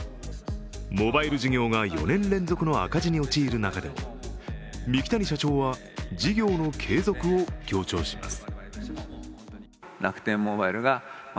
モバイル事業が４年連続の赤字に陥る中でも三木谷社長は事業の継続を強調します。